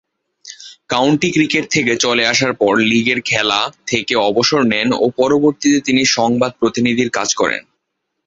County cricket থেকে চলে আসার পর লীগের খেলা থেকে অবসর নেন ও পরবর্তীতে তিনি সংবাদ প্রতিনিধির কাজ করেন।